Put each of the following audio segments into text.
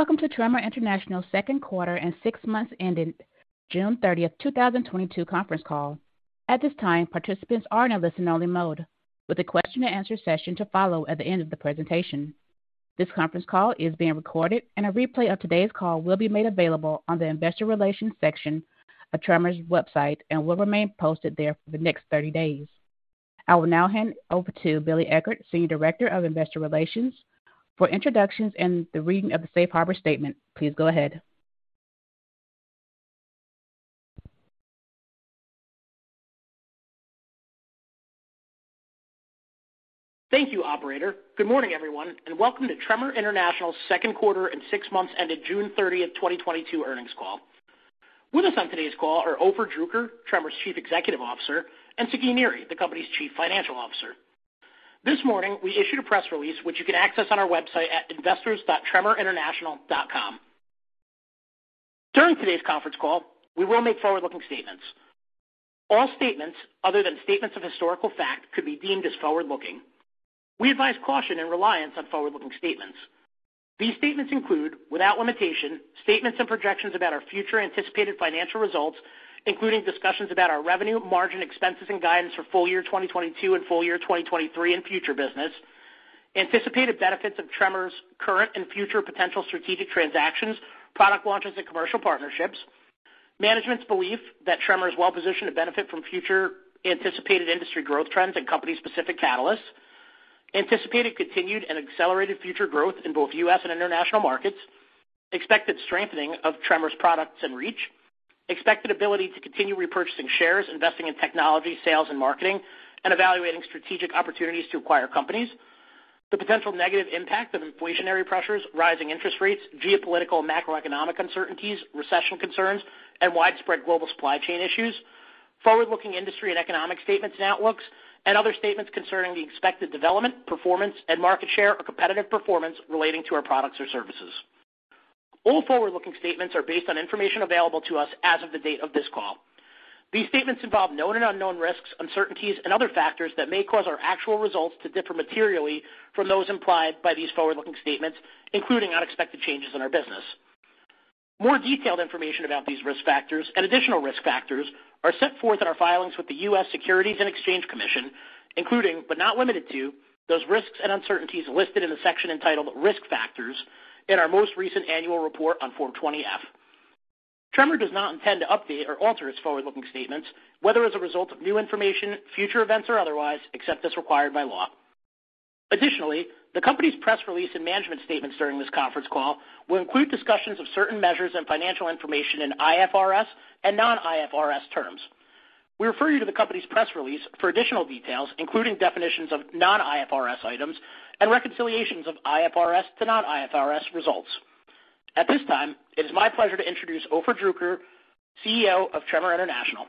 Welcome to Tremor International's second quarter and six months ending June 30th, 2022 conference call. At this time, participants are in a listen-only mode, with a question-and-answer session to follow at the end of the presentation. This conference call is being recorded, and a replay of today's call will be made available on the investor relations section of Tremor's website and will remain posted there for the next 30 days. I will now hand over to Billy Eckert, Senior Director of Investor Relations. For introductions and the reading of the safe harbor statement, please go ahead. Thank you, operator. Good morning, everyone, and welcome to Tremor International's second quarter and six months ended June 30, 2022 earnings call. With us on today's call are Ofer Druker, Tremor's Chief Executive Officer, and Sagi Niri, the company's Chief Financial Officer. This morning, we issued a press release which you can access on our website at investors.tremorinternational.com. During today's conference call, we will make forward-looking statements. All statements other than statements of historical fact could be deemed as forward-looking. We advise caution and reliance on forward-looking statements. These statements include, without limitation, statements and projections about our future anticipated financial results, including discussions about our revenue, margins, expenses and guidance for full year 2022 and full year 2023 and future business. Anticipated benefits of Tremor's current and future potential strategic transactions, product launches and commercial partnerships. Management's belief that Tremor is well-positioned to benefit from future anticipated industry growth trends and company-specific catalysts. Anticipated, continued, and accelerated future growth in both U.S. and international markets. Expected strengthening of Tremor's products and reach. Expected ability to continue repurchasing shares, investing in technology, sales and marketing, and evaluating strategic opportunities to acquire companies. The potential negative impact of inflationary pressures, rising interest rates, geopolitical and macroeconomic uncertainties, recession concerns, and widespread global supply chain issues. Forward-looking industry and economic statements and outlooks, and other statements concerning the expected development, performance and market share or competitive performance relating to our products or services. All forward-looking statements are based on information available to us as of the date of this call. These statements involve known and unknown risks, uncertainties, and other factors that may cause our actual results to differ materially from those implied by these forward-looking statements, including unexpected changes in our business. More detailed information about these risk factors and additional risk factors are set forth in our filings with the U.S. Securities and Exchange Commission, including but not limited to, those risks and uncertainties listed in the section entitled Risk Factors in our most recent annual report on Form 20-F. Tremor does not intend to update or alter its forward-looking statements, whether as a result of new information, future events or otherwise, except as required by law. Additionally, the company's press release and management statements during this conference call will include discussions of certain measures and financial information in IFRS and non-IFRS terms. We refer you to the company's press release for additional details, including definitions of non-IFRS items and reconciliations of IFRS to non-IFRS results. At this time, it is my pleasure to introduce Ofer Druker, CEO of Tremor International.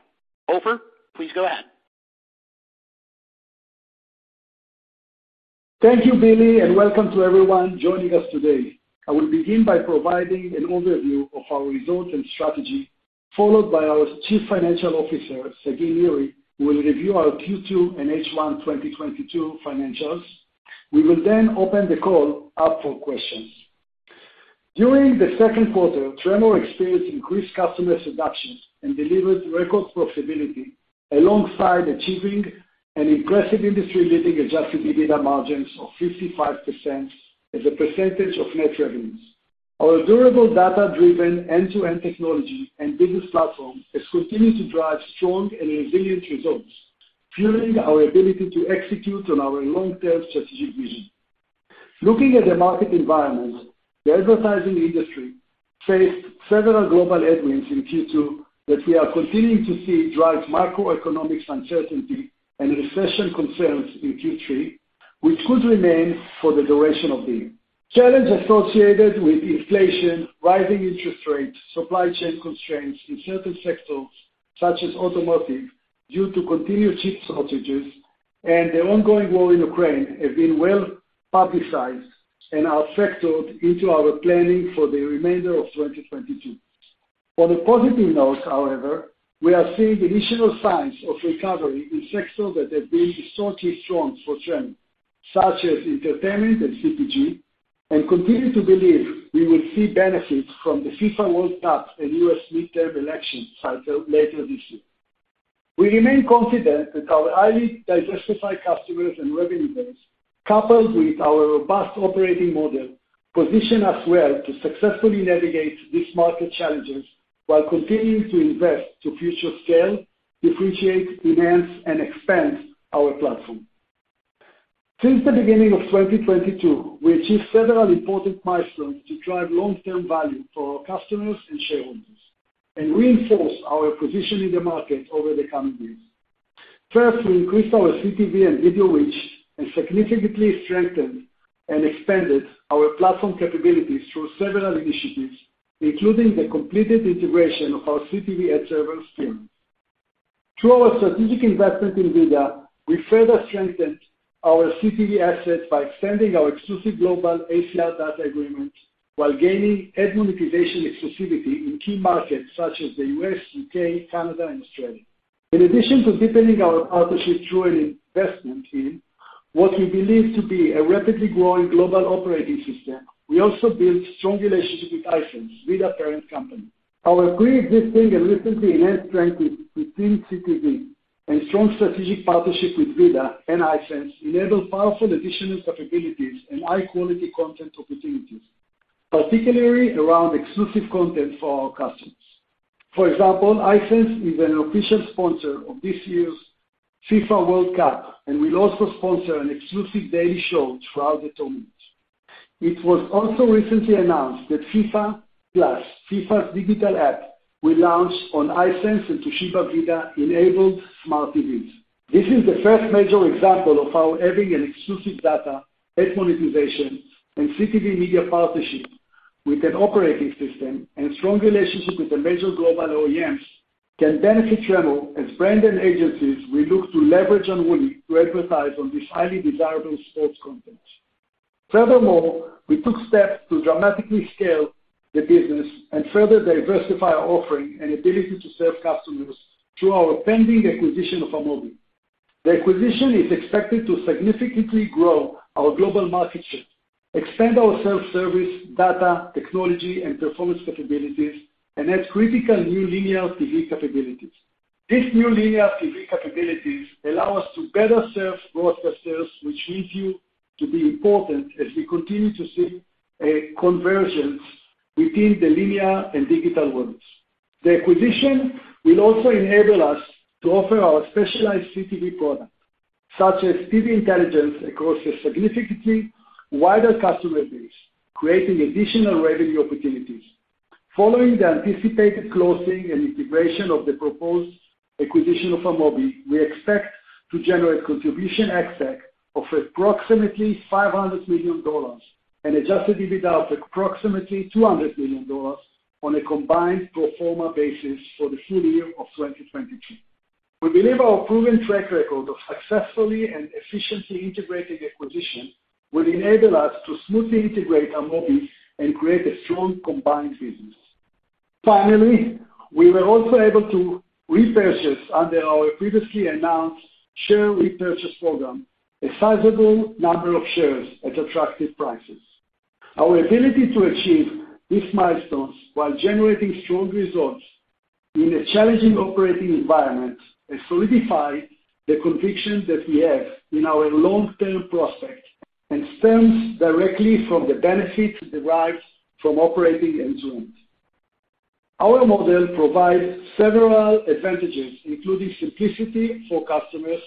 Ofer, please go ahead. Thank you, Billy, and welcome to everyone joining us today. I will begin by providing an overview of our results and strategy, followed by our Chief Financial Officer, Sagi Niri, who will review our Q2 and H1 2022 financials. We will then open the call up for questions. During the second quarter, Tremor experienced increased customer acquisitions and delivered record profitability, alongside achieving an impressive industry-leading adjusted EBITDA margins of 55% as a percentage of net revenues. Our durable data-driven end-to-end technology and business platform has continued to drive strong and resilient results, fueling our ability to execute on our long-term strategic vision. Looking at the market environment, the advertising industry faced several global headwinds in Q2 that we are continuing to see drive macroeconomic uncertainty and recession concerns in Q3, which could remain for the duration of the year. Challenges associated with inflation, rising interest rates, supply chain constraints in certain sectors, such as automotive, due to continued chip shortages, and the ongoing war in Ukraine have been well-publicized and are factored into our planning for the remainder of 2022. On a positive note, however, we are seeing initial signs of recovery in sectors that have been historically strong for Tremor, such as entertainment and CPG, and continue to believe we will see benefits from the FIFA World Cup and U.S. midterm election cycle later this year. We remain confident that our highly diversified customers and revenue base, coupled with our robust operating model, position us well to successfully navigate these market challenges while continuing to invest to future scale, differentiate, enhance, and expand our platform. Since the beginning of 2022, we achieved several important milestones to drive long-term value for our customers and shareholders and reinforce our position in the market over the coming years. First, we increased our CTV and video reach and significantly strengthened and expanded our platform capabilities through several initiatives, including the completed integration of our CTV ad server stream. Through our strategic investment in VIDAA, we further strengthened our CTV assets by extending our exclusive global ACR data agreement while gaining ad monetization exclusivity in key markets such as the U.S., U.K., Canada, and Australia. In addition to deepening our partnership through an investment in what we believe to be a rapidly growing global operating system, we also build strong relationships with Hisense, VIDAA parent company. Our preexisting and recently enhanced strength within CTV and strong strategic partnership with VIDAA and Hisense enable powerful additional capabilities and high-quality content opportunities, particularly around exclusive content for our customers. For example, Hisense is an official sponsor of this year's FIFA World Cup and will also sponsor an exclusive daily show throughout the tournament. It was also recently announced that FIFA+, FIFA's digital app, will launch on Hisense and Toshiba VIDAA-enabled smart TVs. This is the first major example of how having an exclusive data, ad monetization, and CTV media partnership with an operating system and strong relationship with the major global OEMs can benefit Tremor, as brands and agencies we look to leverage and willing to advertise on this highly desirable sports content. Furthermore, we took steps to dramatically scale the business and further diversify our offering and ability to serve customers through our pending acquisition of Amobee. The acquisition is expected to significantly grow our global market share, expand our self-service data technology and performance capabilities, and add critical new linear TV capabilities. These new linear TV capabilities allow us to better serve broadcasters, which we view to be important as we continue to see a convergence within the linear and digital worlds. The acquisition will also enable us to offer our specialized CTV products, such as TV Intelligence across a significantly wider customer base, creating additional revenue opportunities. Following the anticipated closing and integration of the proposed acquisition of Amobee, we expect to generate Contribution EBITDA of approximately $500 million and Adjusted EBITDA of approximately $200 million on a combined pro forma basis for the full year of 2022. We believe our proven track record of successfully and efficiently integrating acquisitions will enable us to smoothly integrate Amobee and create a strong combined business. Finally, we were also able to repurchase under our previously announced share repurchase program, a sizable number of shares at attractive prices. Our ability to achieve these milestones while generating strong results in a challenging operating environment has solidified the conviction that we have in our long-term prospect and stems directly from the benefit derived from operating end-to-end. Our model provides several advantages, including simplicity for customers,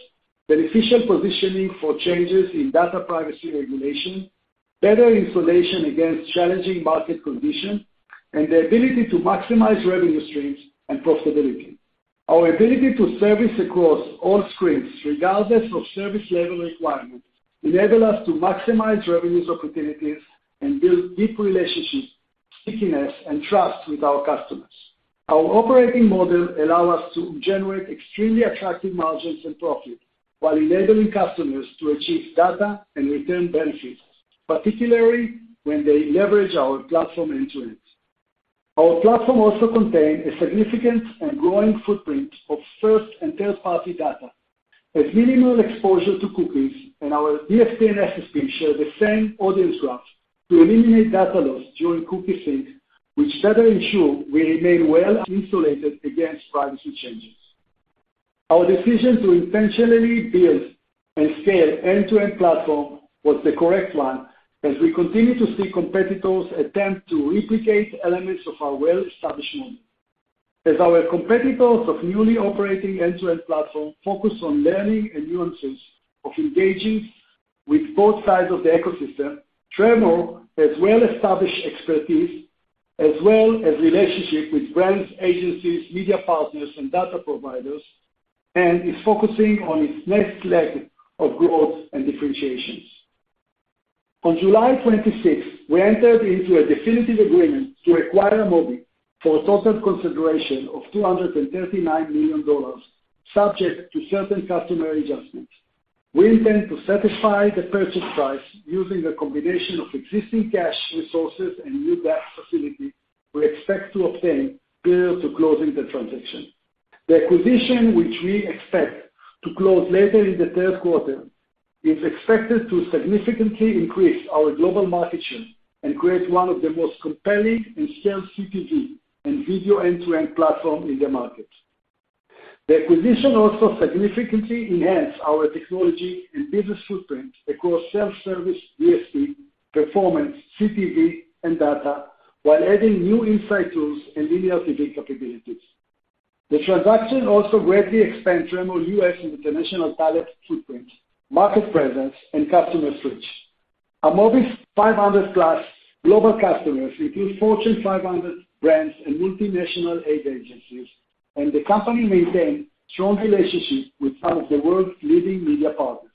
beneficial positioning for changes in data privacy regulation, better insulation against challenging market conditions, and the ability to maximize revenue streams and profitability. Our ability to service across all screens, regardless of service level requirements, enable us to maximize revenues opportunities and build deep relationships, stickiness, and trust with our customers. Our operating model allow us to generate extremely attractive margins and profits while enabling customers to achieve data and return benefits, particularly when they leverage our platform end-to-end. Our platform also contain a significant and growing footprint of first and third-party data with minimal exposure to cookies, and our DSP and SSP share the same audience graph to eliminate data loss during cookie sync, which better ensure we remain well insulated against privacy changes. Our decision to intentionally build and scale end-to-end platform was the correct one as we continue to see competitors attempt to replicate elements of our well-established model. Our competitors who are newly operating end-to-end platforms focus on learning the nuances of engaging with both sides of the ecosystem. Tremor has well-established expertise as well as relationships with brands, agencies, media partners, and data providers, and is focusing on its next leg of growth and differentiation. On July 26th, we entered into a definitive agreement to acquire Amobee for a total consideration of $239 million, subject to certain customary adjustments. We intend to satisfy the purchase price using a combination of existing cash resources and new debt facility we expect to obtain prior to closing the transaction. The acquisition, which we expect to close later in the third quarter, is expected to significantly increase our global market share and create one of the most compelling and scaled CTV and video end-to-end platform in the market. The acquisition also significantly enhance our technology and business footprint across self-service DSP, performance, CTV, and data, while adding new insight tools and linear TV capabilities. The transaction also greatly expands Tremor's U.S. international talent footprint, market presence, and customer base. Amobee's 500+ global customers include Fortune 500 brands and multinational ad agencies, and the company maintain strong relationships with some of the world's leading media partners.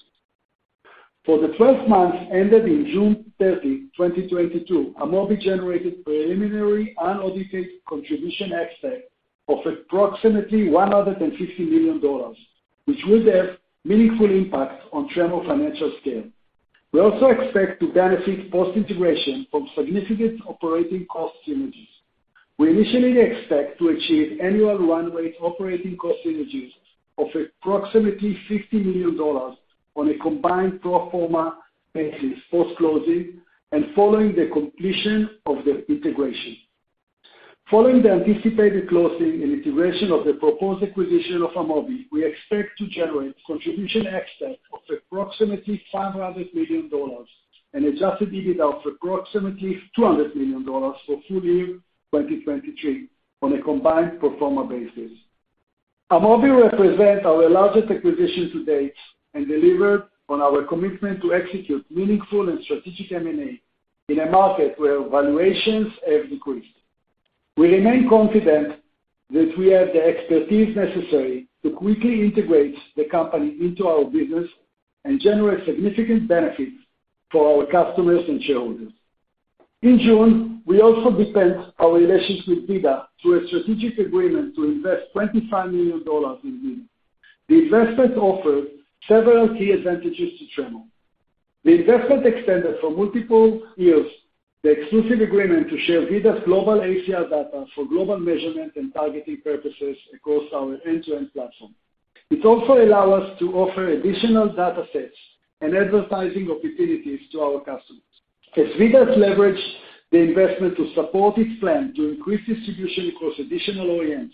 For the 12 months ended June 30, 2022, Amobee generated preliminary unaudited Contribution EBITDA of approximately $150 million, which will have meaningful impact on Tremor financial scale. We also expect to benefit post-integration from significant operating cost synergies. We initially expect to achieve annual run-rate operating cost synergies of approximately $50 million on a combined pro forma basis post-closing and following the completion of the integration. Following the anticipated closing and integration of the proposed acquisition of Amobee, we expect to generate Contribution EBITDA of approximately $500 million and Adjusted EBITDA of approximately $200 million for full year 2023 on a combined pro forma basis. Amobee represent our largest acquisition to date and delivered on our commitment to execute meaningful and strategic M&A in a market where valuations have decreased. We remain confident that we have the expertise necessary to quickly integrate the company into our business and generate significant benefits for our customers and shareholders. In June, we also deepened our relationship with VIDAA through a strategic agreement to invest $25 million in VIDAA. The investment offers several key advantages to Tremor. The investment extended for multiple years the exclusive agreement to share VIDAA's global ACR data for global measurement and targeting purposes across our end-to-end platform. It also allow us to offer additional data sets and advertising opportunities to our customers. As VIDAA leverage the investment to support its plan to increase distribution across additional OEMs,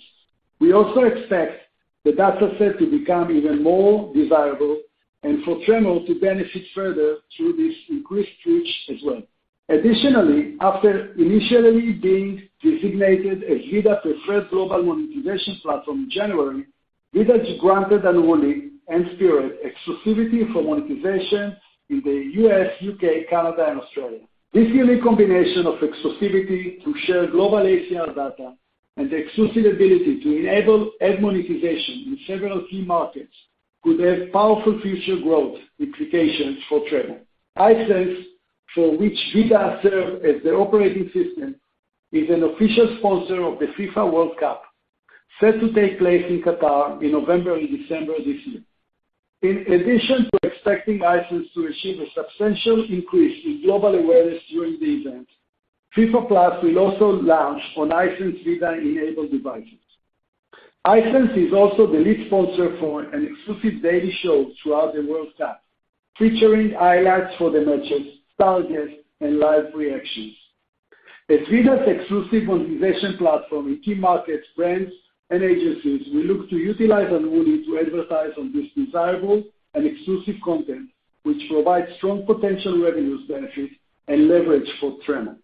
we also expect the data set to become even more desirable and for Tremor to benefit further through this increased reach as well. Additionally, after initially being designated as VIDAA preferred global monetization platform in January, VIDAA granted Unruly and Spearad exclusivity for monetization in the U.S., U.K., Canada, and Australia. This unique combination of exclusivity to share global ACR data and the exclusive ability to enable ad monetization in several key markets could have powerful future growth implications for Tremor. Hisense, for which VIDAA serves as the operating system, is an official sponsor of the FIFA World Cup, set to take place in Qatar in November and December this year. In addition to expecting Hisense to achieve a substantial increase in global awareness during the event, FIFA+ will also launch on Hisense VIDAA-enabled devices. Hisense is also the lead sponsor for an exclusive daily show throughout the World Cup, featuring highlights for the matches, star guests, and live reactions. As VIDAA's exclusive monetization platform in key markets, brands and agencies will look to utilize Unruly to advertise on this desirable and exclusive content, which provides strong potential revenues benefit and leverage for Tremor.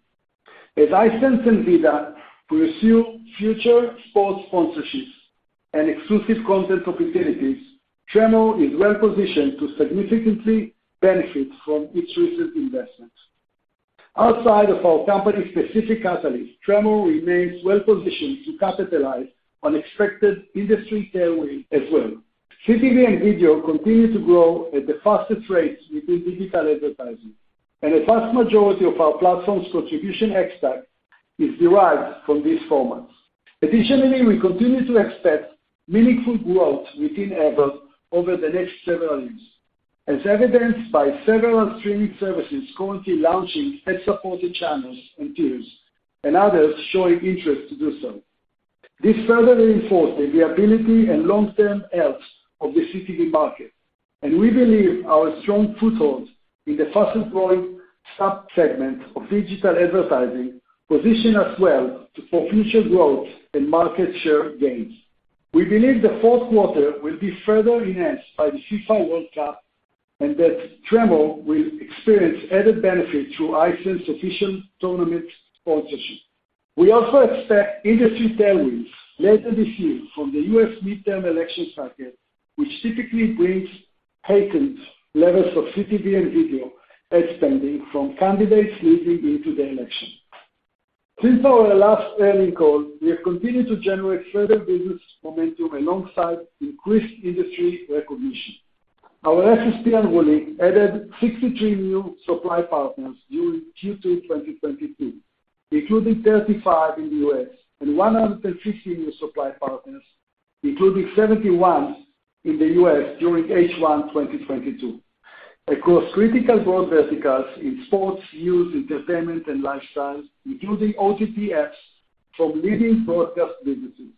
As Hisense and VIDAA pursue future sports sponsorships and exclusive content opportunities, Tremor is well-positioned to significantly benefit from its recent investments. Outside of our company-specific catalyst, Tremor remains well-positioned to capitalize on expected industry tailwind as well. CTV and video continue to grow at the fastest rates within digital advertising, and the vast majority of our platform's contribution EBITDA is derived from these formats. Additionally, we continue to expect meaningful growth within AVOD over the next several years, as evidenced by several streaming services currently launching ad-supported channels and tiers, and others showing interest to do so. This further reinforces the ability and long-term health of the CTV market, and we believe our strong foothold in the fast-growing sub-segment of digital advertising position us well to potential growth and market share gains. We believe the fourth quarter will be further enhanced by the FIFA World Cup, and that Tremor will experience added benefit through Hisense official tournament sponsorship. We also expect industry tailwinds later this year from the U.S. midterm election cycle, which typically brings heightened levels of CTV and video ad spending from candidates leading into the election. Since our last earnings call, we have continued to generate further business momentum alongside increased industry recognition. Our SSP, Unruly, added 63 new supply partners during Q2 2022, including 35 in the U.S., and 150 new supply partners, including 71 in the U.S. during H1 2022, across critical growth verticals in sports, news, entertainment, and lifestyle, including OTT apps from leading broadcast businesses.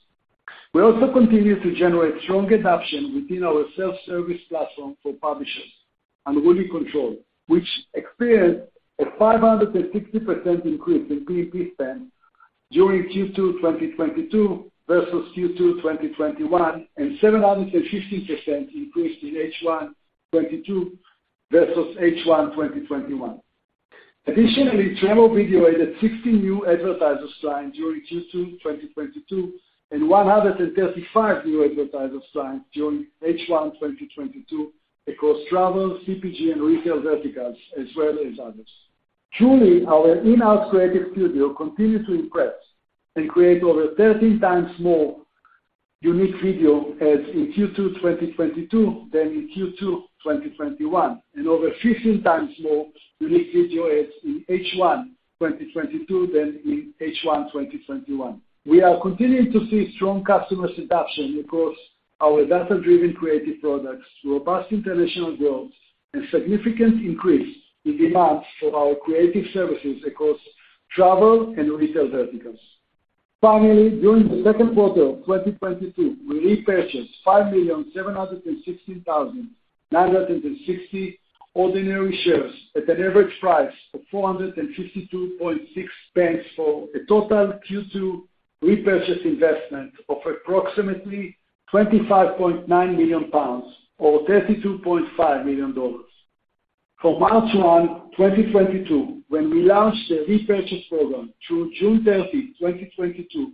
We also continue to generate strong adoption within our self-service platform for publishers, Unruly CTRL, which experienced a 560% increase in PMP spend during Q2 2022 versus Q2 2021, and 750% increase in H1 2022 versus H1 2021. Additionally, Tremor Video added 60 new advertisers signed during Q2 2022 and 135 new advertisers signed during H1 2022 across travel, CPG and, retail verticals, as well as others. Tr.ly, our in-house creative studio, continued to impress and create over 13 times more unique video ads in Q2 2022 than in Q2 2021. Over 15 times more unique video ads in H1 2022 than in H1 2021. We are continuing to see strong customer adoption across our data-driven creative products, robust international growth, and significant increase in demand for our creative services across travel and retail verticals. Finally, during the second quarter of 2022, we repurchased 5,716,960 ordinary shares at an average price of 452.6 pence for a total Q2 repurchase investment of approximately 25.9 million pounds, or $32.5 million. From March 1, 2022, when we launched the repurchase program through June 30, 2022,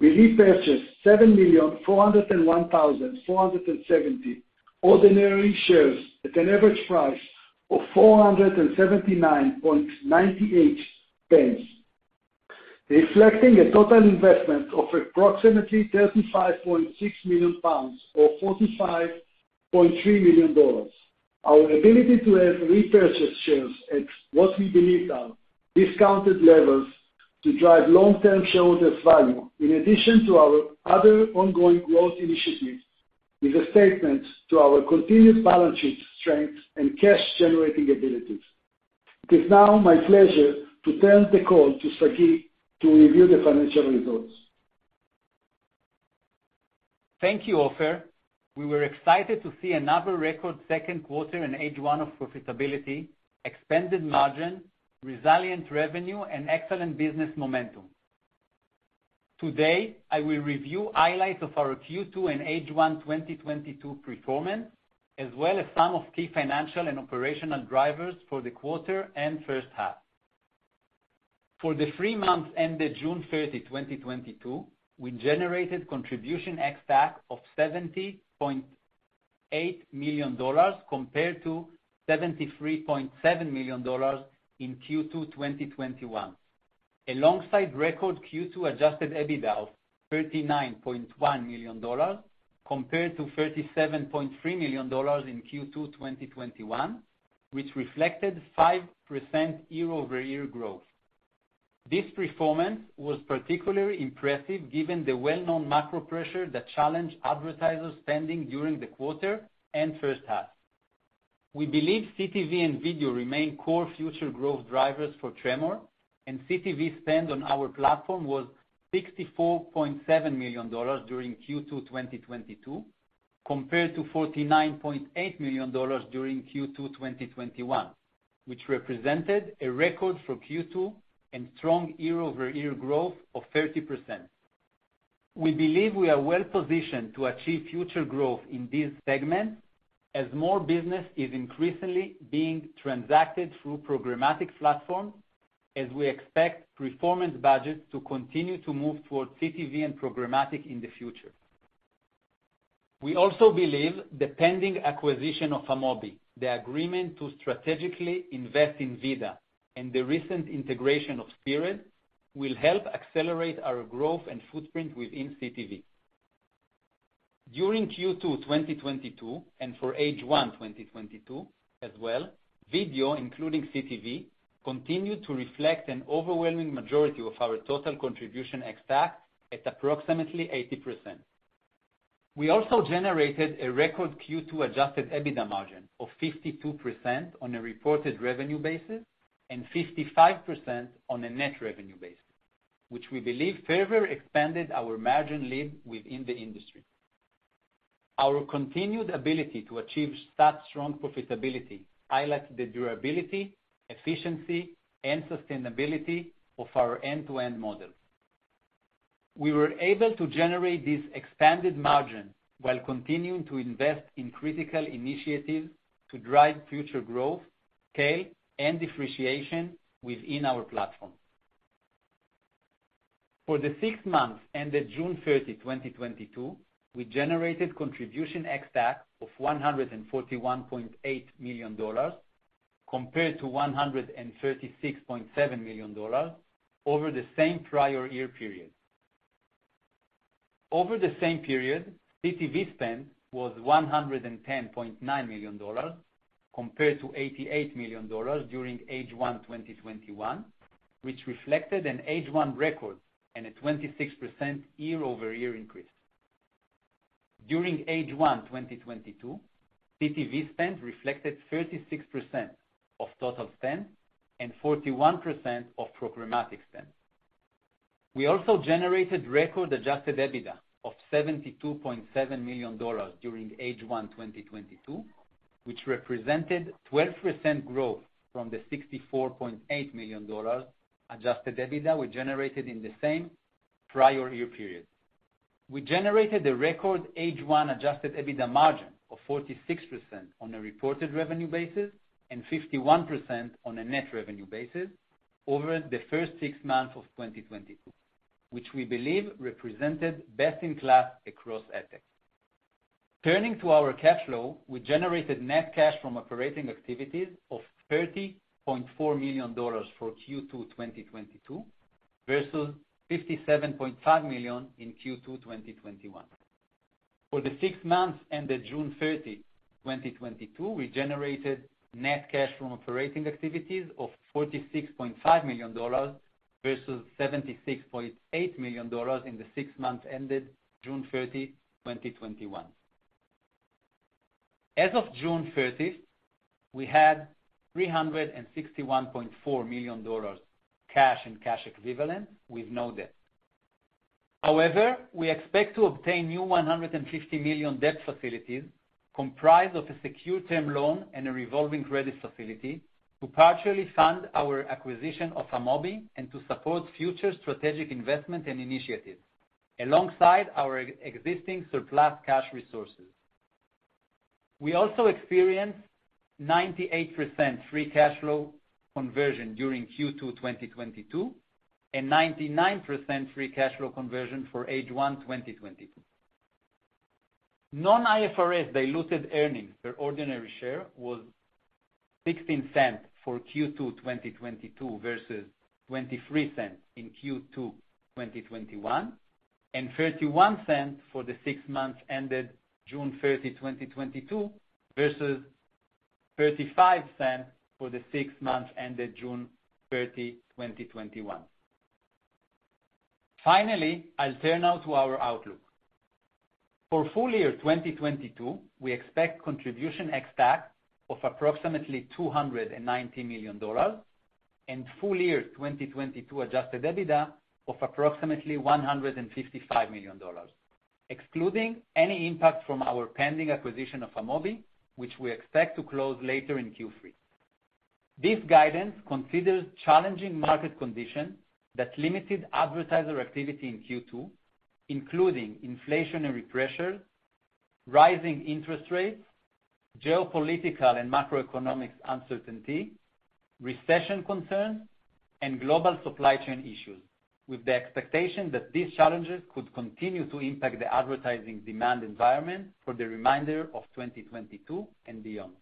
we repurchased 7,001,470 ordinary shares at an average price of 479.98 pence, reflecting a total investment of approximately 35.6 million pounds, or $45.3 million. Our ability to repurchase shares at what we believe are discounted levels to drive long-term shareholder value in addition to our other ongoing growth initiatives is a testament to our continued balance sheet strength and cash-generating abilities. It is now my pleasure to turn the call to Sagi to review the financial results. Thank you, Ofer. We were excited to see another record second quarter and H1 of profitability, expanded margin, resilient revenue, and excellent business momentum. Today, I will review highlights of our Q2 and H1 2022 performance, as well as some of key financial and operational drivers for the quarter and first half. For the three months ended June 30, 2022, we generated Contribution ex-TAC of $70.8 million compared to $73.7 million in Q2 2021. Alongside record Q2 Adjusted EBITDA of $39.1 million compared to $37.3 million in Q2 2021, which reflected 5% year-over-year growth. This performance was particularly impressive given the well-known macro pressure that challenged advertisers spending during the quarter and first half. We believe CTV and video remain core future growth drivers for Tremor, and CTV spend on our platform was $64.7 million during Q2 2022, compared to $49.8 million during Q2 2021, which represented a record for Q2 and strong year-over-year growth of 30%. We believe we are well-positioned to achieve future growth in this segment, as more business is increasingly being transacted through programmatic platforms, as we expect performance budgets to continue to move towards CTV and programmatic in the future. We also believe the pending acquisition of Amobee, the agreement to strategically invest in VIDAA, and the recent integration of Spearad will help accelerate our growth and footprint within CTV. During Q2 2022 and for H1 2022 as well, video, including CTV, continued to reflect an overwhelming majority of our total Contribution ex-TAC at approximately 80%. We also generated a record Q2 Adjusted EBITDA margin of 52% on a reported revenue basis and 55% on a net revenue basis, which we believe further expanded our margin lead within the industry. Our continued ability to achieve such strong profitability highlights the durability, efficiency, and sustainability of our end-to-end models. We were able to generate this expanded margin while continuing to invest in critical initiatives to drive future growth, scale, and differentiation within our platform. For the six months ended June 30, 2022, we generated Contribution ex-TAC of $141.8 million compared to $136.7 million over the same prior year period. Over the same period, CTV spend was $110.9 million compared to $88 million during H1 2021, which reflected an H1 record and a 26% year-over-year increase. During H1 2022, CTV spend reflected 36% of total spend and 41% of programmatic spend. We also generated record adjusted EBITDA of $72.7 million during H1 2022, which represented 12% growth from the $64.8 million adjusted EBITDA we generated in the same prior year period. We generated a record H1 Adjusted EBITDA margin of 46% on a reported revenue basis and 51% on a net revenue basis over the first six months of 2022, which we believe represented best in class across AdTech. Turning to our cash flow, we generated net cash from operating activities of $30.4 million for Q2 2022 versus $57.5 million in Q2 2021. For the six months ended June 30, 2022, we generated net cash from operating activities of $46.5 million versus $76.8 million in the six months ended June 30, 2021. As of June 30, we had $361.4 million cash and cash equivalents with no debt. However, we expect to obtain new $150 million debt facilities comprised of a secure term loan and a revolving credit facility to partially fund our acquisition of Amobee and to support future strategic investment and initiatives alongside our existing surplus cash resources. We also experienced 98% free cash flow conversion during Q2 2022 and 99% free cash flow conversion for H1 2022. Non-IFRS diluted earnings per ordinary share was $0.16 for Q2 2022 versus $0.23 in Q2 2021, and $0.31 for the six months ended June 30, 2022, versus $0.35 for the six months ended June 30, 2021. Finally, I'll turn now to our outlook. For full year 2022, we expect Contribution ex-TAC of approximately $290 million and full year 2022 Adjusted EBITDA of approximately $155 million, excluding any impact from our pending acquisition of Amobee, which we expect to close later in Q3. This guidance considers challenging market conditions that limited advertiser activity in Q2, including inflationary pressures, rising interest rates, geopolitical and macroeconomic uncertainty, recession concerns, and global supply chain issues, with the expectation that these challenges could continue to impact the advertising demand environment for the remainder of 2022 and beyond.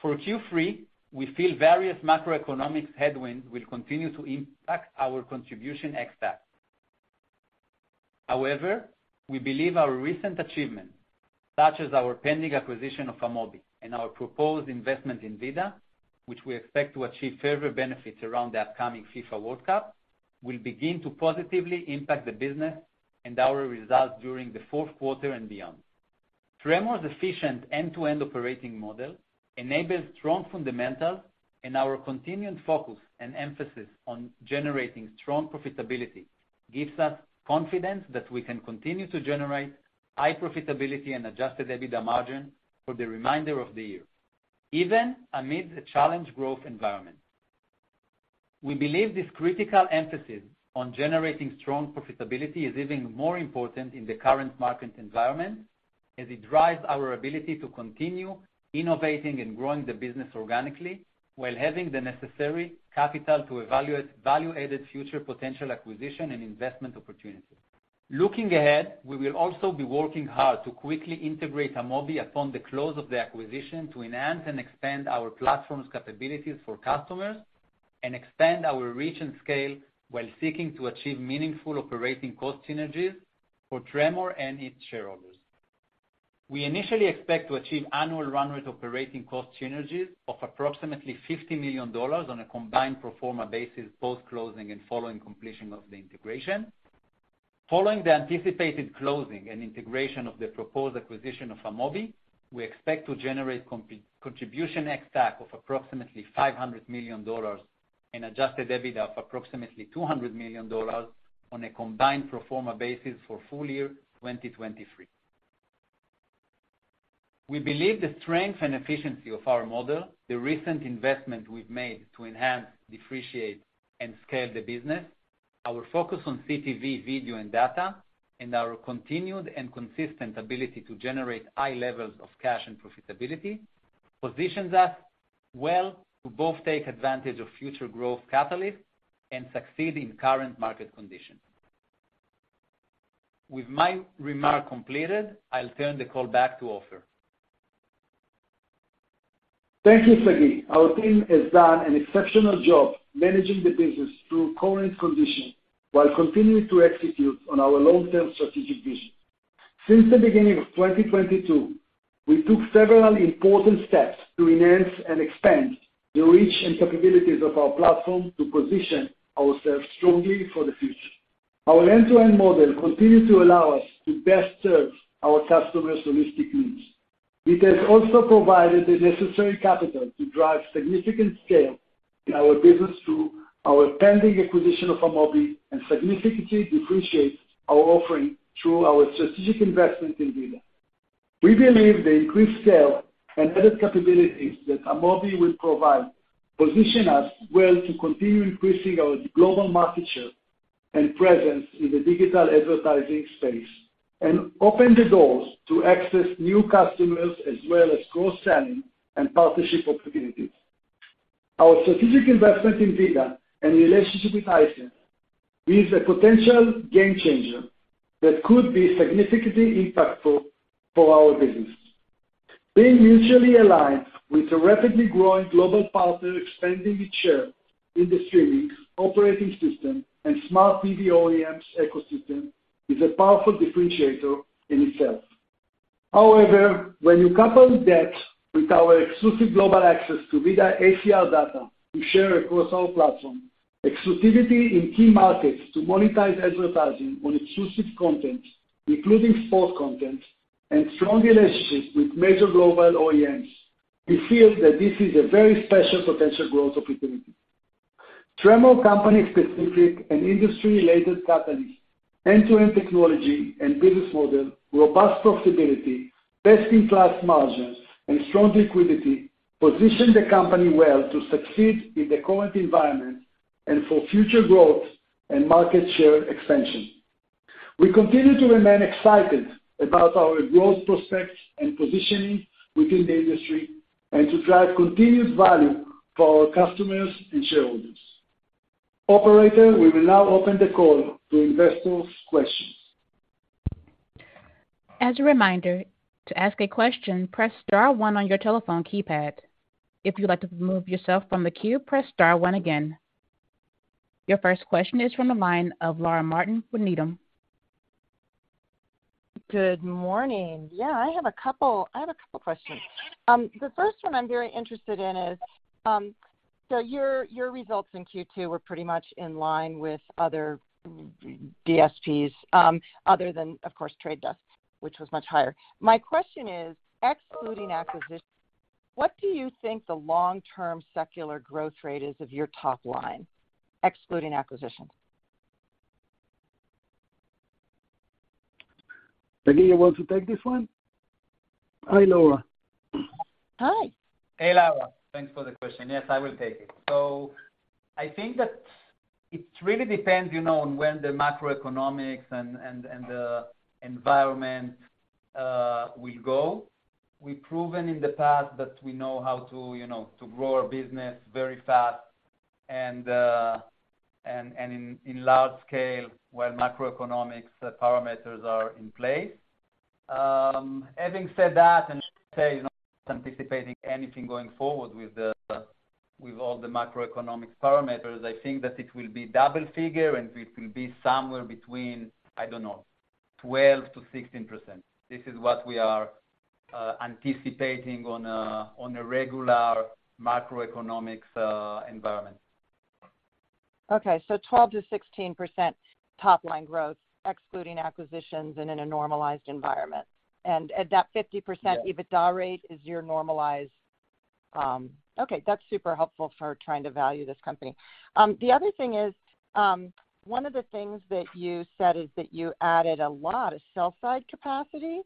For Q3, we feel various macroeconomic headwinds will continue to impact our Contribution ex-TAC. However, we believe our recent achievements, such as our pending acquisition of Amobee and our proposed investment in VIDAA, which we expect to achieve further benefits around the upcoming FIFA World Cup, will begin to positively impact the business and our results during the fourth quarter and beyond. Tremor's efficient end-to-end operating model enables strong fundamentals, and our continued focus and emphasis on generating strong profitability gives us confidence that we can continue to generate high profitability and adjusted EBITDA margin for the remainder of the year, even amid a challenged growth environment. We believe this critical emphasis on generating strong profitability is even more important in the current market environment, as it drives our ability to continue innovating and growing the business organically while having the necessary capital to evaluate value-added future potential acquisition and investment opportunities. Looking ahead, we will also be working hard to quickly integrate Amobee upon the close of the acquisition to enhance and expand our platform's capabilities for customers and expand our reach and scale while seeking to achieve meaningful operating cost synergies for Tremor and its shareholders. We initially expect to achieve annual run rate operating cost synergies of approximately $50 million on a combined pro forma basis, post-closing and following completion of the integration. Following the anticipated closing and integration of the proposed acquisition of Amobee, we expect to generate contribution ex-TAC of approximately $500 million and adjusted EBITDA of approximately $200 million on a combined pro forma basis for full year 2023. We believe the strength and efficiency of our model, the recent investment we've made to enhance, differentiate, and scale the business, our focus on CTV, video, and data, and our continued and consistent ability to generate high levels of cash and profitability positions us well to both take advantage of future growth catalyst and succeed in current market conditions. With my remark completed, I'll turn the call back to Ofer. Thank you, Sagi. Our team has done an exceptional job managing the business through current conditions while continuing to execute on our long-term strategic vision. Since the beginning of 2022, we took several important steps to enhance and expand the reach and capabilities of our platform to position ourselves strongly for the future. Our end-to-end model continued to allow us to best serve our customers' holistic needs. It has also provided the necessary capital to drive significant scale in our business through our pending acquisition of Amobee and significantly differentiates our offering through our strategic investment in VIDAA. We believe the increased scale and added capabilities that Amobee will provide position us well to continue increasing our global market share and presence in the digital advertising space, and open the doors to access new customers as well as cross-selling and partnership opportunities. Our strategic investment in VIDAA and relationship with Hisense is a potential game-changer that could be significantly impactful for our business. Being mutually aligned with a rapidly growing global partner expanding its share in the streaming operating system and smart TV OEMs ecosystem is a powerful differentiator in itself. However, when you couple that with our exclusive global access to VIDAA ACR data we share across our platform, exclusivity in key markets to monetize advertising on exclusive content, including sports content, and strong relationships with major global OEMs, we feel that this is a very special potential growth opportunity. Tremor company-specific and industry-related catalyst, end-to-end technology and business model, robust profitability, best-in-class margins, and strong liquidity position the company well to succeed in the current environment and for future growth and market share expansion. We continue to remain excited about our growth prospects and positioning within the industry, and to drive continuous value for our customers and shareholders. Operator, we will now open the call to investors' questions. As a reminder, to ask a question, press star one on your telephone keypad. If you'd like to remove yourself from the queue, press star one again. Your first question is from the line of Laura Martin with Needham. Good morning. Yeah, I have a couple questions. The first one I'm very interested in is, so your results in Q2 were pretty much in line with other DSPs, other than, of course, The Trade Desk, which was much higher. My question is, excluding acquisitions, what do you think the long-term secular growth rate is of your top line, excluding acquisitions? Sagi, you want to take this one? Hi, Laura. Hi. Hey, Laura. Thanks for the question. Yes, I will take it. I think that it really depends, you know, on when the macroeconomic and the environment will go. We've proven in the past that we know how to, you know, to grow our business very fast and in large scale, when macroeconomic parameters are in place. Having said that, I say not anticipating anything going forward with all the macroeconomic parameters, I think that it will be double figure, and it will be somewhere between, I don't know, 12%-16%. This is what we are anticipating on a regular macroeconomic environment. Okay, 12%-16% top line growth excluding acquisitions and in a normalized environment. At that 50% EBITDA rate is your normalized. Okay, that's super helpful for trying to value this company. The other thing is, one of the things that you said is that you added a lot of sell side capacity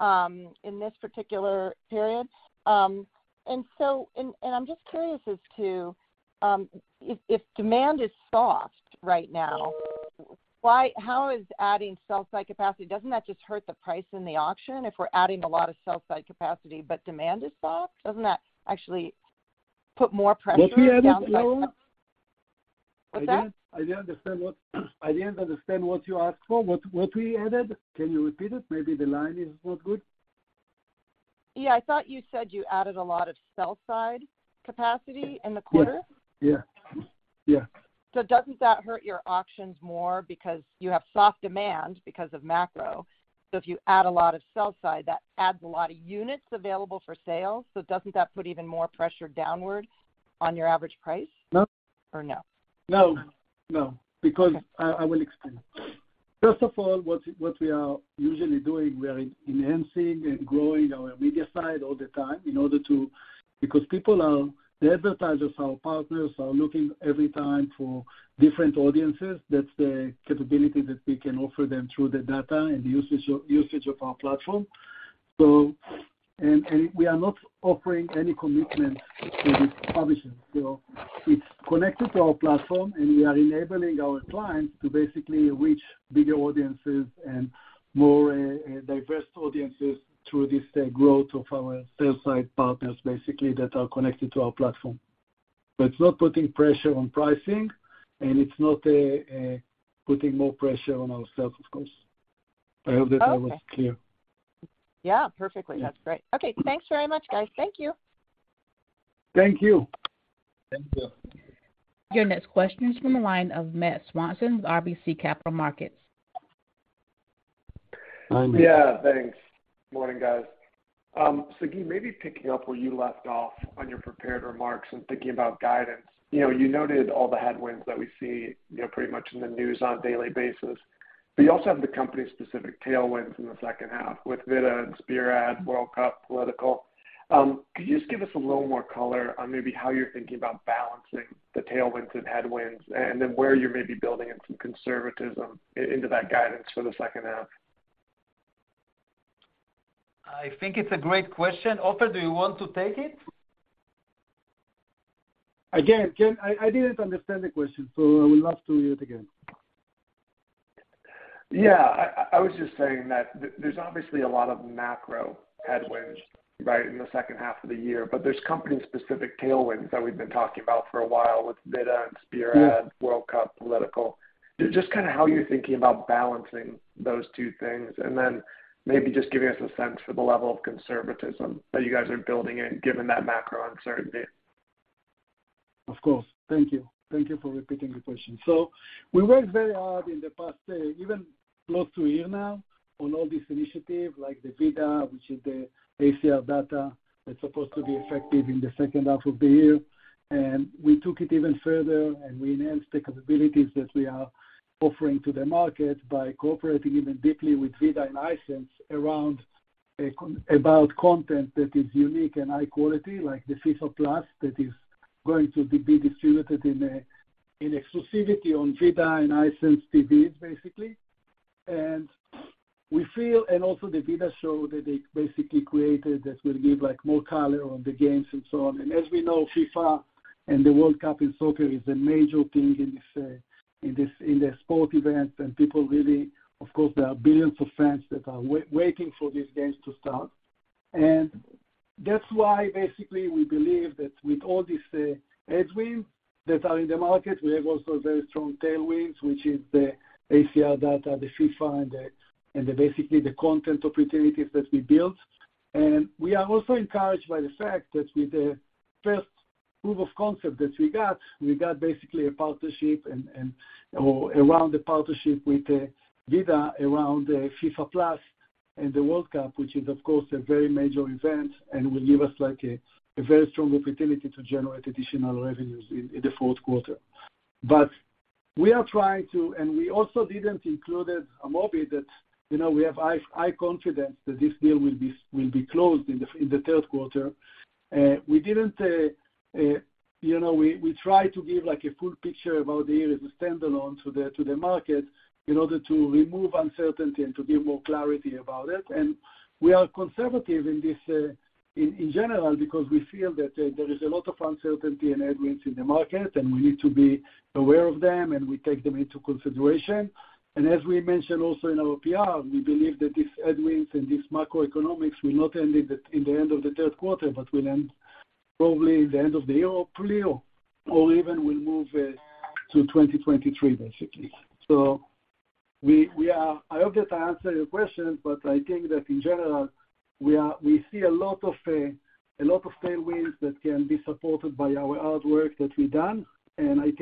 in this particular period. I'm just curious as to if demand is soft right now, why, how is adding sell side capacity. Doesn't that just hurt the price in the auction if we're adding a lot of sell side capacity, but demand is soft? Doesn't that actually put more pressure? What we added, Laura? What's that? I didn't understand what you asked for, what we added. Can you repeat it? Maybe the line is not good. Yeah, I thought you said you added a lot of sell side capacity in the quarter. Yes. Yeah. Yeah. Doesn't that hurt your auctions more because you have soft demand because of macro? If you add a lot of sell side, that adds a lot of units available for sale. Doesn't that put even more pressure downwards on your average price? No. No? No, because I will explain. First of all, what we are usually doing, we are enhancing and growing our media side all the time in order to, because the advertisers, our partners, are looking every time for different audiences. That's the capability that we can offer them through the data and usage of our platform. We are not offering any commitment to these publishers. It's connected to our platform, and we are enabling our clients to basically reach bigger audiences and more diverse audiences through this growth of our sales side partners basically that are connected to our platform. It's not putting pressure on pricing, and it's not putting more pressure on our sales, of course. Okay. I hope that I was clear. Yeah, perfectly. Yeah. That's great. Okay, thanks very much, guys. Thank you. Thank you. Thank you. Your next question is from the line of Matt Swanson with RBC Capital Markets. Hi, Matt. Yeah, thanks. Morning, guys. Sagi, maybe picking up where you left off on your prepared remarks and thinking about guidance. You know, you noted all the headwinds that we see, you know, pretty much in the news on a daily basis. You also have the company-specific tailwinds in the second half with VIDAA and Spearad, World Cup, political. Could you just give us a little more color on maybe how you're thinking about balancing the tailwinds and headwinds, and then where you may be building in some conservatism into that guidance for the second half? I think it's a great question. Ofer, do you want to take it? Again, I didn't understand the question, so I would love to hear it again. Yeah, I was just saying that there's obviously a lot of macro headwinds, right, in the second half of the year, but there's company-specific tailwinds that we've been talking about for a while with VIDAA and Spearad, World Cup, political. Just kind of how you're thinking about balancing those two things, and then maybe just giving us a sense for the level of conservatism that you guys are building in given that macro uncertainty. Of course. Thank you. Thank you for repeating the question. We worked very hard in the past, even close to a year now on all these initiatives like the VIDAA, which is the ACR data that's supposed to be effective in the second half of the year. We took it even further, and we enhanced the capabilities that we are offering to the market by cooperating even deeply with VIDAA licensees about content that is unique and high quality, like the FIFA+ that is going to be distributed in exclusivity on VIDAA and Hisense TVs, basically. We feel, and also the VIDAA show that they basically created that will give, like, more color on the games and so on. As we know, FIFA and the World Cup in soccer is a major thing in this, in the sport event. People really, of course, there are billions of fans that are waiting for these games to start. That's why basically we believe that with all these headwinds that are in the market, we have also very strong tailwinds, which is the ACR data, the FIFA and the basically the content opportunities that we built. We are also encouraged by the fact that with the first proof of concept that we got, we got basically a partnership around the partnership with VIDAA around the FIFA+ and the World Cup, which is of course a very major event and will give us like a very strong opportunity to generate additional revenues in the fourth quarter. We also didn't include Amobee that, you know, we have high confidence that this deal will be closed in the third quarter. You know, we try to give like a full picture about the year as a standalone to the market in order to remove uncertainty and to give more clarity about it. We are conservative in this in general because we feel that there is a lot of uncertainty and headwinds in the market, and we need to be aware of them, and we take them into consideration. As we mentioned also in our PR, we believe that these headwinds and this macroeconomics will not end in the end of the third quarter but will end probably the end of the year or early, or even will move to 2023, basically. I hope that I answered your question, but I think that in general, we see a lot of tailwinds that can be supported by our hard work that we've done. I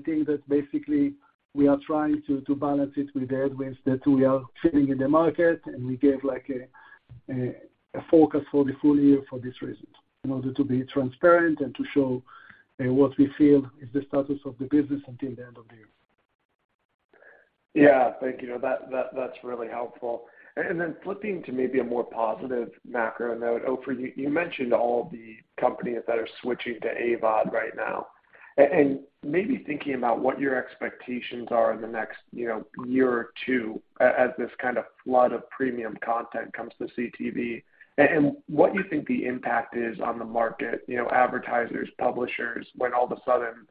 think that basically we are trying to balance it with the headwinds that we are feeling in the market, and we gave like a focus for the full year for this reason, in order to be transparent and to show what we feel is the status of the business until the end of the year. Yeah. Thank you. No, that's really helpful. Flipping to maybe a more positive macro note, Ofer, you mentioned all the companies that are switching to AVOD right now. Maybe thinking about what your expectations are in the next, you know, year or two as this kind of flood of premium content comes to CTV, and what you think the impact is on the market, you know, advertisers, publishers, when all of a sudden,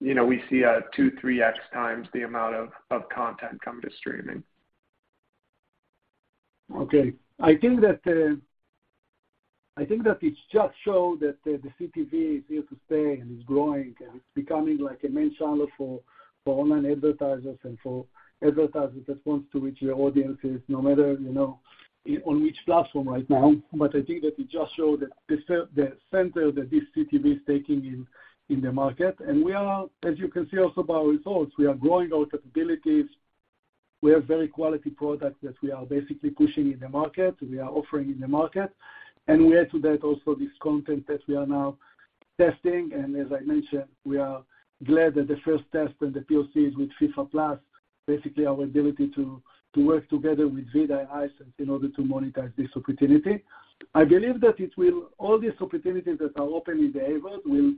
you know, we see a 2-3x times the amount of content come to streaming. Okay. I think that it just show that the CTV is here to stay and is growing, and it's becoming like a main channel for online advertisers and for advertisers that wants to reach their audiences no matter, you know, on which platform right now. I think that it just show that the center that this CTV is taking in the market. We are, as you can see also by our results, growing our capabilities. We have very quality product that we are basically pushing in the market, we are offering in the market. We add to that also this content that we are now testing. As I mentioned, we are glad that the first test and the POCs with FIFA+, basically, our ability to work together with VIDAA and Hisense in order to monetize this opportunity. I believe that all these opportunities that are open in the AVOD will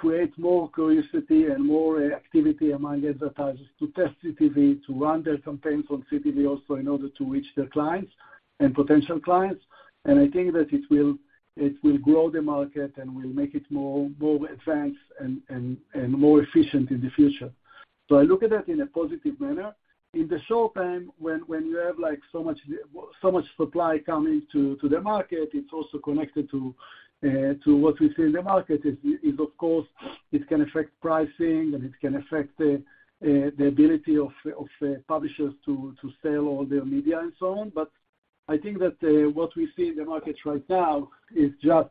create more curiosity and more activity among advertisers to test CTV, to run their campaigns on CTV, also in order to reach their clients and potential clients. I think that it will grow the market and will make it more advanced and more efficient in the future. I look at that in a positive manner. In the short term, when you have like so much supply coming to the market, it's also connected to what we see in the market, which is of course it can affect pricing, and it can affect the ability of publishers to sell all their media and so on. I think that what we see in the markets right now is just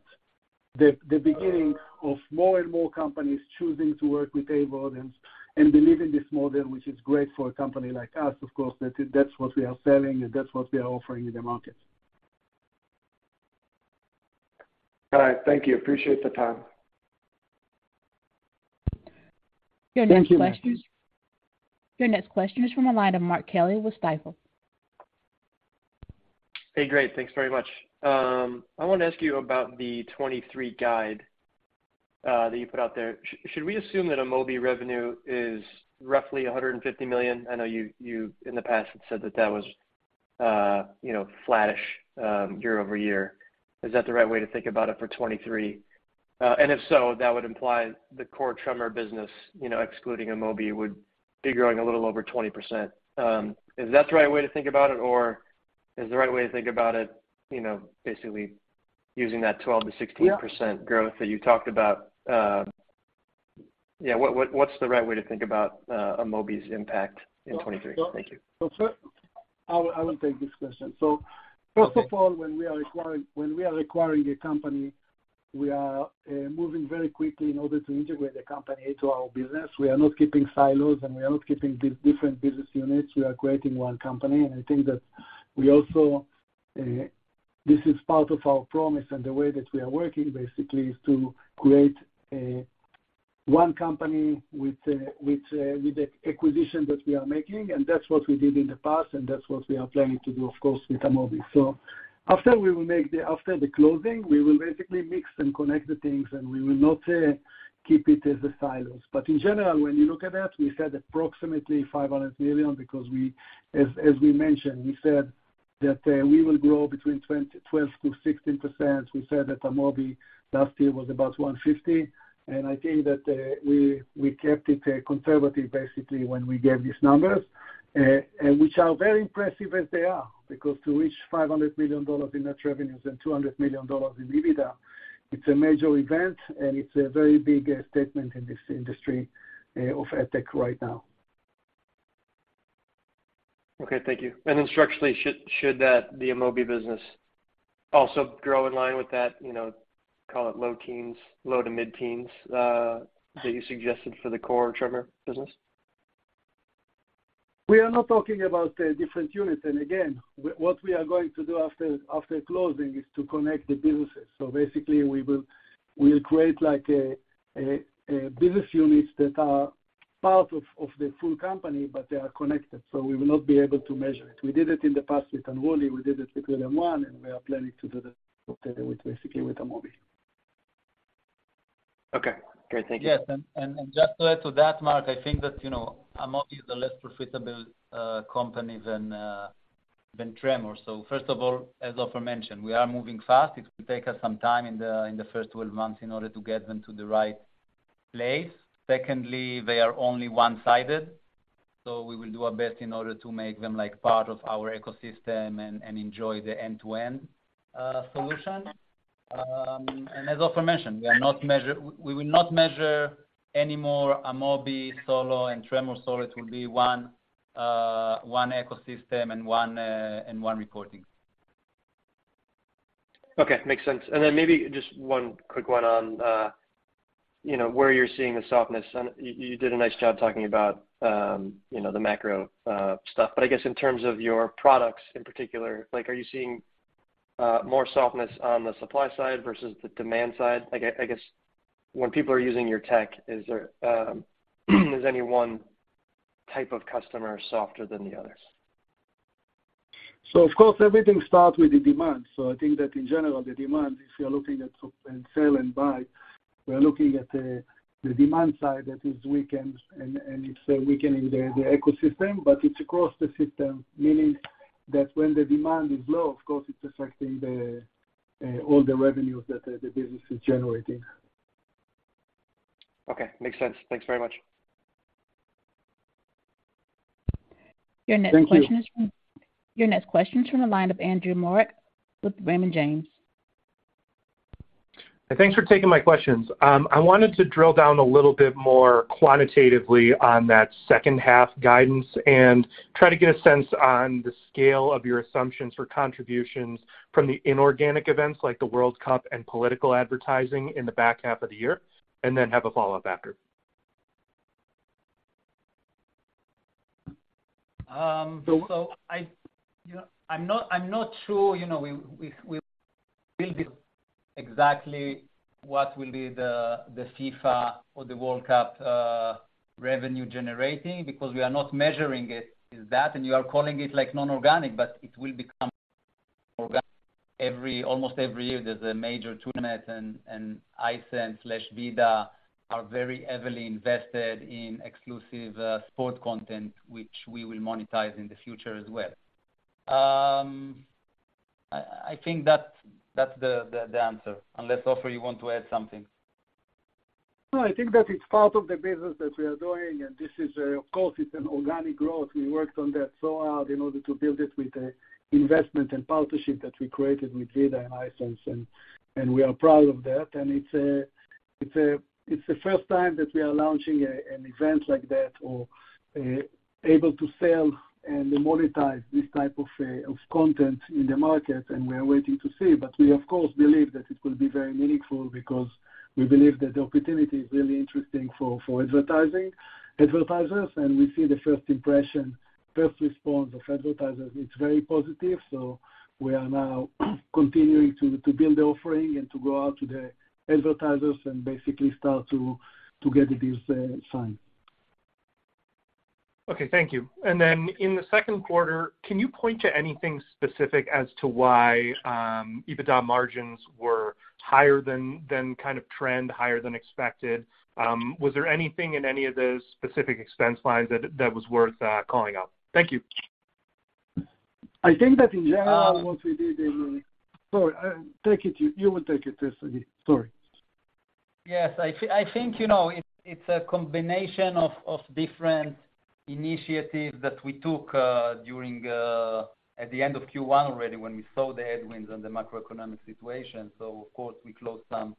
the beginning of more and more companies choosing to work with AVOD and believe in this model, which is great for a company like us, of course, that's what we are selling and that's what we are offering in the market. All right. Thank you. Appreciate the time. Thank you. Your next question is from the line of Mark Kelley with Stifel. Hey, great. Thanks very much. I want to ask you about the 2023 guide that you put out there. Should we assume that Amobee revenue is roughly $150 million? I know you in the past have said that that was you know, flattish year-over-year. Is that the right way to think about it for 2023? And if so, that would imply the core Tremor business you know, excluding Amobee, would be growing a little over 20%. Is that the right way to think about it? Or is the right way to think about it, you know, basically using that 12%-16% growth that you talked about? Yeah, what's the right way to think about Amobee's impact in 2023? Thank you. I will take this question. First of all, when we are acquiring a company, we are moving very quickly in order to integrate the company into our business. We are not keeping silos, and we are not keeping the different business units. We are creating one company. I think that we also this is part of our promise and the way that we are working basically is to create one company with the acquisition that we are making, and that's what we did in the past, and that's what we are planning to do, of course, with Amobee. After the closing, we will basically mix and connect the things, and we will not keep it as the silos. In general, when you look at that, we said approximately $500 million because, as we mentioned, we said that we will grow between 12%-16%. We said that Amobee last year was about $150. I think that we kept it conservative basically when we gave these numbers, and which are very impressive as they are, because to reach $500 million in net revenues and $200 million in EBITDA, it's a major event, and it's a very big statement in this industry of AdTech right now. Okay. Thank you. Structurally, should the Amobee business also grow in line with that, you know, call it low teens, low to mid-teens, that you suggested for the core Tremor business? We are not talking about the different units. Again, what we are going to do after closing is to connect the businesses. Basically, we'll create like a business units that are part of the full company, but they are connected, so we will not be able to measure it. We did it in the past with Unruly, we did it with RhythmOne, and we are planning to do that with basically with Amobee. Okay. Great. Thank you. Yes. Just to add to that, Mark, I think that, you know, Amobee is a less profitable company than Tremor. First of all, as Ofer mentioned, we are moving fast. It will take us some time in the first 12 months in order to get them to the right place. Secondly, they are only one-sided, so we will do our best in order to make them like part of our ecosystem and enjoy the end-to-end solution. As Ofer mentioned, we will not measure anymore Amobee solo and Tremor solo. It will be one ecosystem and one reporting. Okay. Makes sense. Then maybe just one quick one on, you know, where you're seeing the softness. You did a nice job talking about, you know, the macro, stuff. I guess in terms of your products in particular, like, are you seeing more softness on the supply side versus the demand side? Like, I guess when people are using your tech, is there any one type of customer softer than the others? Of course, everything start with the demand. I think that in general, the demand, if you're looking at the demand side that is weakened, and it's weakening the ecosystem. It's across the system, meaning that when the demand is low, of course, it's affecting all the revenues that the business is generating. Okay. Makes sense. Thanks very much. Thank you. Your next question is from the line of Andrew Marok with Raymond James. Thanks for taking my questions. I wanted to drill down a little bit more quantitatively on that second half guidance and try to get a sense on the scale of your assumptions for contributions from the inorganic events like the World Cup and political advertising in the back half of the year, and then have a follow-up after. I'm not sure, you know, we'll be able to tell exactly what will be the FIFA or the World Cup revenue generating because we are not measuring it as that, and you are calling it like non-organic, but it will become organic almost every year there's a major tournament, and Hisense VIDAA are very heavily invested in exclusive sport content, which we will monetize in the future as well. I think that's the answer, unless, Ofer, you want to add something. No, I think that it's part of the business that we are doing, and this is, of course, it's organic growth. We worked on that so hard in order to build it with the investment and partnership that we created with VIDAA and Hisense, and we are proud of that. It's the first time that we are launching an event like that or able to sell and monetize this type of content in the market, and we are waiting to see. We of course believe that it will be very meaningful because we believe that the opportunity is really interesting for advertising, advertisers, and we see the first impression, first response of advertisers, it's very positive. We are now continuing to build the offering and to go out to the advertisers and basically start to get the business signed. Okay. Thank you. Then in the second quarter, can you point to anything specific as to why EBITDA margins were higher than kind of trend, higher than expected? Was there anything in any of those specific expense lines that was worth calling out? Thank you. Sorry, take it. You will take it, Sagi. Sorry. Yes, I think, you know, it's a combination of different initiatives that we took during, at the end of Q1 already, when we saw the headwinds and the macroeconomic situation. Of course, we closed some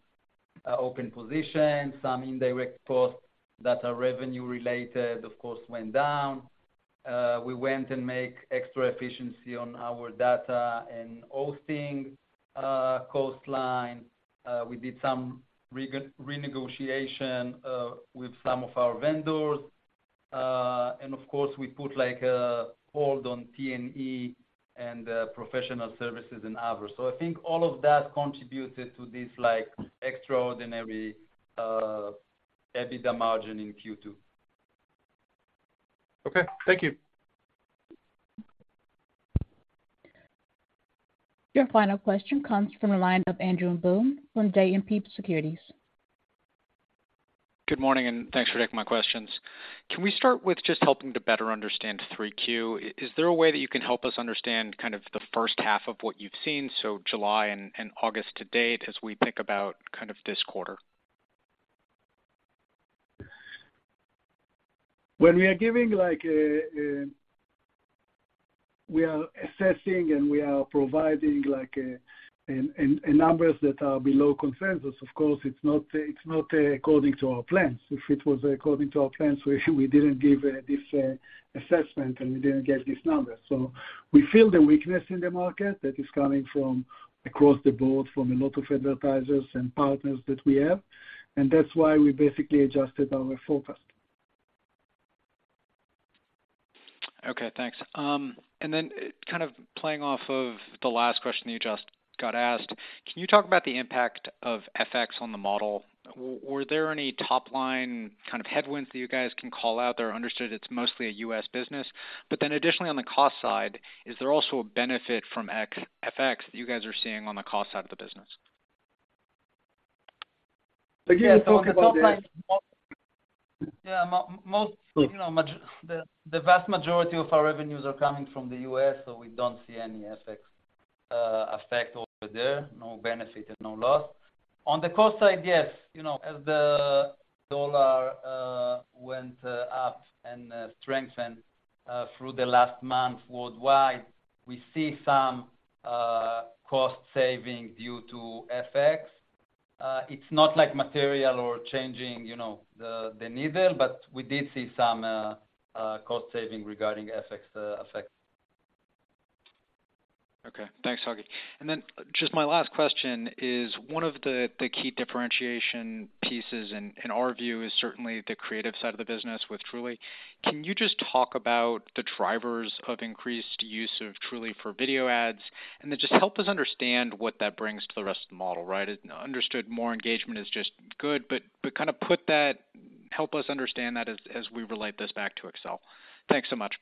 open positions. Some indirect costs that are revenue-related, of course, went down. We went and made extra efficiency on our data and hosting cost line. We did some renegotiation with some of our vendors. Of course, we put like a hold on P&E and professional services on average. I think all of that contributed to this like extraordinary EBITDA margin in Q2. Okay, thank you. Your final question comes from the line of Andrew Boone from JMP Securities. Good morning, and thanks for taking my questions. Can we start with just helping to better understand 3Q? Is there a way that you can help us understand kind of the first half of what you've seen, so July and August to date, as we think about kind of this quarter? We are assessing, and we are providing like, a numbers that are below consensus. Of course, it's not according to our plans. If it was according to our plans, we didn't give this assessment, and we didn't get this number. We feel the weakness in the market that is coming from across the board, from a lot of advertisers and partners that we have. That's why we basically adjusted our forecast. Okay, thanks. Kind of playing off of the last question you just got asked, can you talk about the impact of FX on the model? Were there any top-line kind of headwinds that you guys can call out there? I understood it's mostly a U.S. business, but then additionally on the cost side, is there also a benefit from ex-FX that you guys are seeing on the cost side of the business? Again, talk about the- Yeah, on the top line, you know, the vast majority of our revenues are coming from the U.S., so we don't see any FX effect over there, no benefit and no loss. On the cost side, yes. You know, as the dollar went up and strengthened through the last month worldwide, we see some cost savings due to FX. It's not like material or changing, you know, the needle, but we did see some cost saving regarding FX effect. Okay, thanks, Sagi. Just my last question is, one of the key differentiation pieces in our view, is certainly the creative side of the business with Tr.ly. Can you just talk about the drivers of increased use of Tr.ly for video ads? Just help us understand what that brings to the rest of the model, right? Understood, more engagement is just good, but kinda put that, help us understand that as we relate this back to Excel. Thanks so much.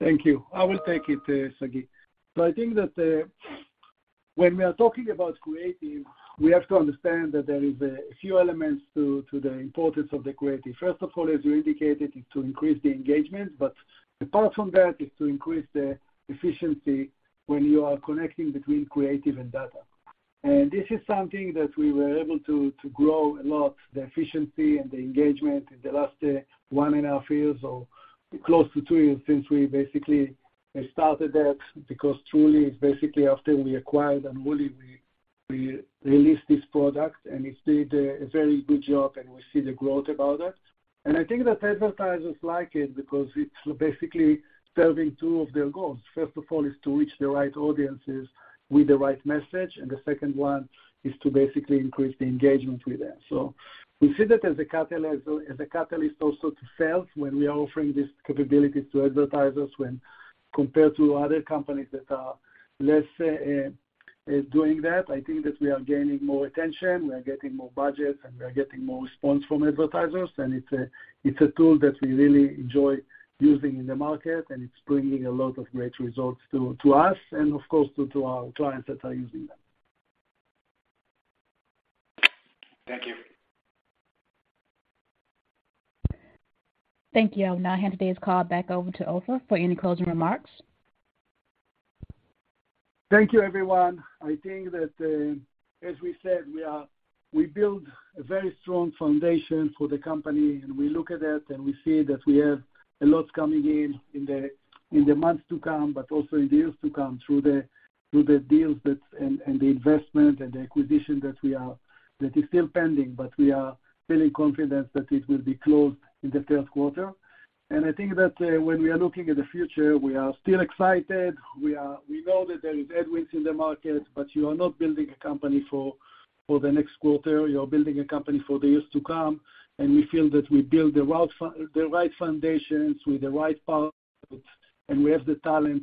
Thank you. I will take it, Sagi. I think that when we are talking about creative, we have to understand that there is a few elements to the importance of the creative. First of all, as you indicated, is to increase the engagement. Apart from that, is to increase the efficiency when you are connecting between creative and data. This is something that we were able to grow a lot, the efficiency and the engagement in the last one and a half years or close to two years since we basically started that, because Tr.ly is basically after we acquired Unruly, we released this product, and it did a very good job, and we see the growth about it. I think that advertisers like it because it's basically serving two of their goals. First of all is to reach the right audiences with the right message, and the second one is to basically increase the engagement with them. We see that as a catalyst also to sales when we are offering this capability to advertisers when compared to other companies that are less doing that. I think that we are gaining more attention, we are getting more budgets, and we are getting more response from advertisers. It's a tool that we really enjoy using in the market, and it's bringing a lot of great results to us, and of course, to our clients that are using that. Thank you. Thank you. I'll now hand today's call back over to Ofer for any closing remarks. Thank you, everyone. I think that, as we said, we build a very strong foundation for the company, and we look at it and we see that we have a lot coming in in the months to come, but also in years to come through the deals and the investment and the acquisition that is still pending. We are feeling confident that it will be closed in the third quarter. I think that when we are looking at the future, we are still excited. We know that there is headwinds in the market, but you are not building a company for the next quarter, you are building a company for the years to come. We feel that we build the right foundations with the right partners, and we have the talent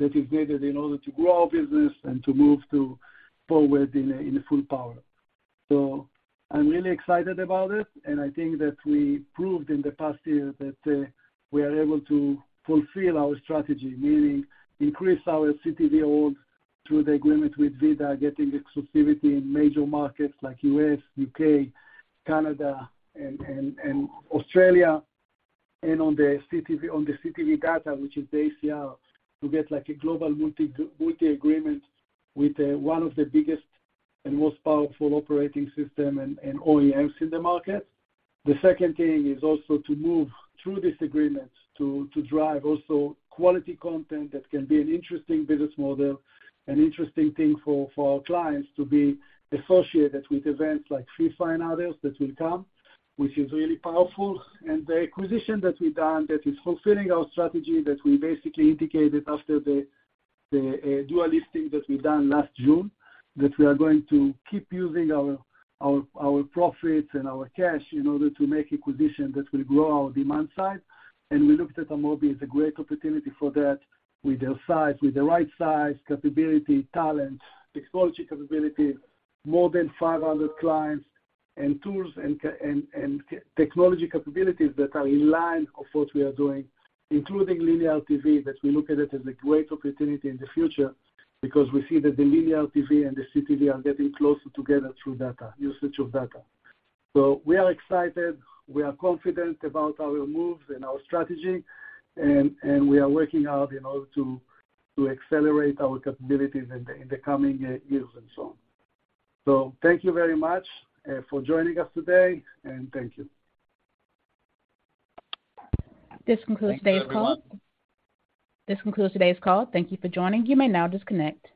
that is needed in order to grow our business and to move forward in full power. I'm really excited about it, and I think that we proved in the past year that we are able to fulfill our strategy, meaning increase our CTV holds through the agreement with VIDAA, getting exclusivity in major markets like U.S., U.K., Canada, and Australia, and on the CTV data, which is the ACR, to get like a global multi agreement with one of the biggest and most powerful operating system and OEMs in the market. The second thing is also to move through this agreement to drive also quality content that can be an interesting business model, an interesting thing for our clients to be associated with events like FIFA and others that will come, which is really powerful. The acquisition that we've done that is fulfilling our strategy that we basically indicated after the dual listing that we done last June, that we are going to keep using our profits and our cash in order to make acquisitions that will grow our demand side. We looked at Amobee as a great opportunity for that with their size, with the right size, capability, talent, technology capability, more than 500 clients and tools and technology capabilities that are in line of what we are doing, including linear TV, that we look at it as a great opportunity in the future because we see that the linear TV and the CTV are getting closer together through data, usage of data. We are excited, we are confident about our moves and our strategy, and we are working hard in order to accelerate our capabilities in the coming years and so on. Thank you very much for joining us today, and thank you. This concludes today's call. Thank you for joining. You may now disconnect.